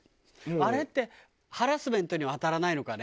あれってハラスメントには当たらないのかね？